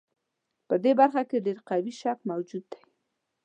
په دې برخه کې ډېر قوي شک موجود دی.